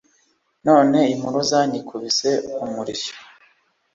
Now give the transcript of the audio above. None Impuruza nyikubise umurishyo